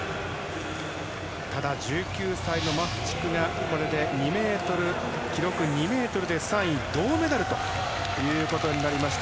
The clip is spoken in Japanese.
ただ１９歳のマフチフが記録２ｍで３位銅メダルということになりました。